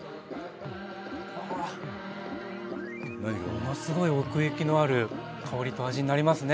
ものすごい奥行きのある香りと味になりますね。